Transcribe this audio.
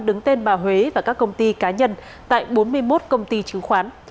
đứng tên bà huế và các công ty cá nhân tại bốn mươi một công ty chứng khoán